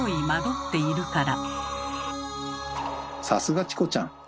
さすがチコちゃん。